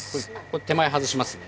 手前外しますね。